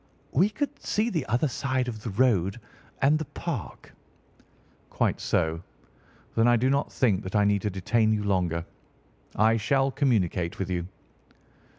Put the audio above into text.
"We could see the other side of the road and the Park." "Quite so. Then I do not think that I need to detain you longer. I shall communicate with you."